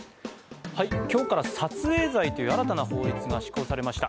今日から撮影罪という新たな法律が施行されました。